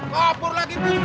kabur lagi buset